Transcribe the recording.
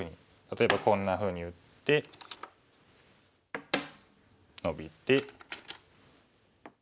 例えばこんなふうに打ってノビて。